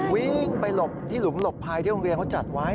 วิ่งไปหลบที่หลุมหลบภัยที่โรงเรียนเขาจัดไว้